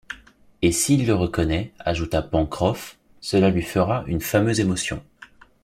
Et s’il le reconnaît, ajouta Pencroff, cela lui fera une fameuse émotion